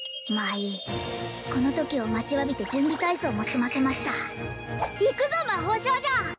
まあいいこのときを待ちわびて準備体操も済ませましたいくぞ魔法少女！